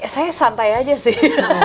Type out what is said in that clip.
saya santai aja sih